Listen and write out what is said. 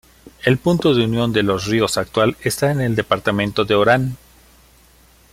El punto de unión de los ríos actual está en el departamento de Orán.